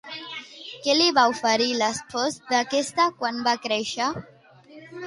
Què li va oferir l'espòs d'aquesta quan va créixer?